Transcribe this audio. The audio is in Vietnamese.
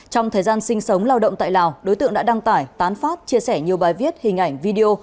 trong thời gian sinh sống lao động tại lào đối tượng đã đăng tải tán phát chia sẻ nhiều bài viết hình ảnh video